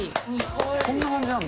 こんな感じなんだ。